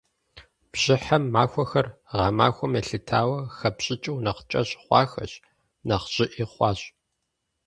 Бжьыхьэм махуэхэр, гъэмахуэм елъытауэ, хэпщӏыкӏыу нэхъ кӏэщӏ хъуахэщ, нэхъ щӏыӏи хъуащ.